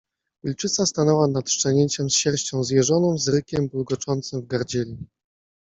Wilczyca stanęła nad szczenięciem, z sierścią zjeżoną, z rykiem bulgoczącym w gardzieli